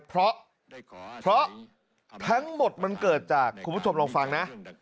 เพราะทั้งหมดมันเกิดจากคุณผู้ชมลองฟังนะ